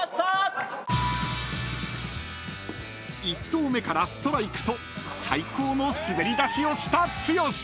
［１投目からストライクと最高の滑り出しをした剛］